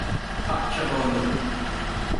Parçala onu!